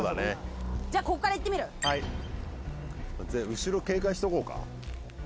後ろ、警戒しておこうか。